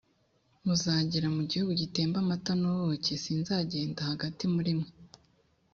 muzagera mu gihugu gitemba amata n’ubuki sinzagenda hagati muri mwe